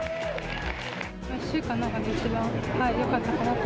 １週間の中で、一番よかったかなと。